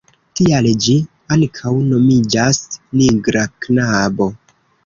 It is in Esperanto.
Tial ĝi ankaŭ nomiĝas „nigra knabo“.